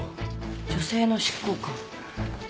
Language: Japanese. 女性の執行官。